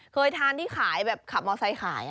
เคยทานที่ขายแบบขับมอไซค์ขาย